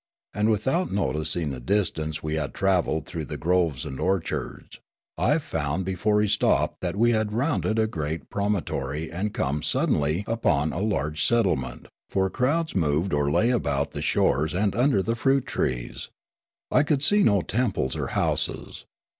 And, without noticing the distance we had travelled through the groves and orchards, I found before he stopped that we had rounded a great promon tory and come suddenly upon a large settlement ; for crowds moved or lay about the shores and under the fruit trees. I could see no temples or houses.